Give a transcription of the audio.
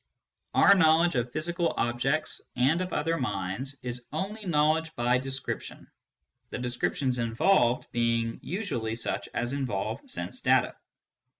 Our knowledge of physical objects and of other minds is only knowledge by descrip tion, the descriptions involved being usually such as involve sense data.